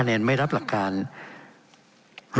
เป็นของสมาชิกสภาพภูมิแทนรัฐรนดร